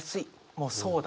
もうそうだな。